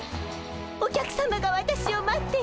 お客さまが私を待ってる。